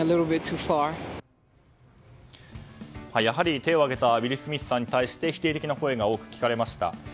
やはり手を上げたウィル・スミスさんに対して否定的な声が多く聞かれました。